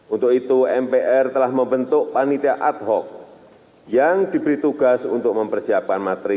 untuk itu mpr telah membentuk panitia ad hoc yang diberi tugas untuk mempersiapkan materi